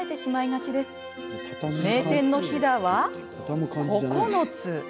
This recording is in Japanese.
名店のひだは９つ。